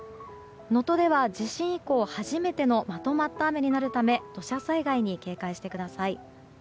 能登では地震以降初めてのまとまった雨になるため土砂災害に警戒してください。